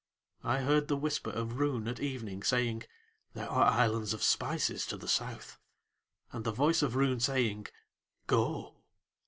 I heard the whisper of Roon at evening, saying: "There are islands of spices to the South," and the voice of Roon saying: "Go."